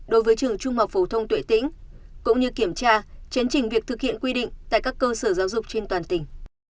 đối với trường trung học phổ thông tuệ tĩnh cũng như kiểm tra chấn trình việc thực hiện quy định tại các cơ sở giáo dục trên toàn tỉnh